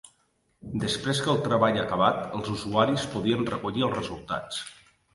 Després que el treball ha acabat, els usuaris podien recollir els resultats.